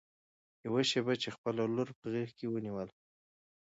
يوه شېبه يې خپله لور په غېږ کې ونيوله.